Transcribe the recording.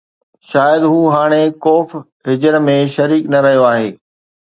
شايد هو هاڻي ڪوف ِ حجر ۾ شريڪ نه رهيو آهي